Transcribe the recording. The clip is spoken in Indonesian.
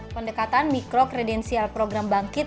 pendekatan mikrokredensial program bangkit